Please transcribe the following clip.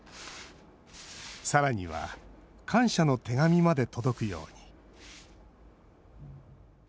さらには、感謝の手紙まで届くように。